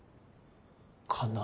かな？